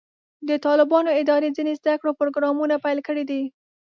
د طالبانو ادارې ځینې زده کړو پروګرامونه پیل کړي دي.